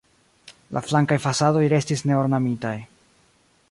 La flankaj fasadoj restis neornamitaj.